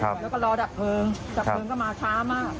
แล้วก็รอดับเพลิงดับเพลิงก็มาช้ามาก